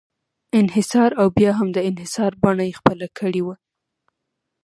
انحصار او بیا هم د انحصار بڼه یې خپله کړې وه.